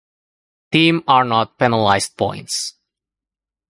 Team are not penalized points.